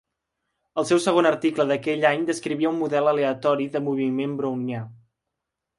El seu segon article d'aquell any descrivia un model aleatori de moviment brownià.